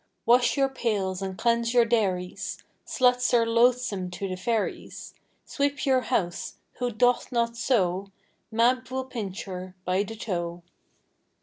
Wash your pails and cleanse your dairies, Sluts are loathsome to the fairies; Sweep your house; Who doth not so, Mab will pinch her by the toe.